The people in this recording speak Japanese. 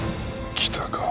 来たか。